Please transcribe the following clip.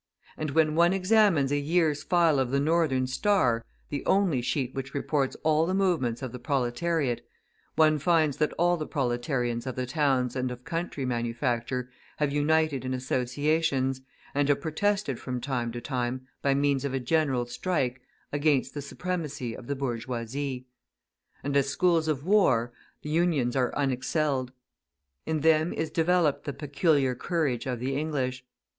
And when one examines a year's file of the Northern Star, the only sheet which reports all the movements of the proletariat, one finds that all the proletarians of the towns and of country manufacture have united in associations, and have protested from time to time, by means of a general strike, against the supremacy of the bourgeoisie. And as schools of war, the Unions are unexcelled. In them is developed the peculiar courage of the English.